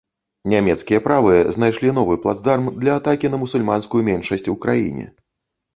Нямецкія правыя знайшлі новы плацдарм для атакі на мусульманскую меншасць у краіне.